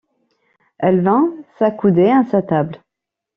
Elle vint s’accouder à sa table.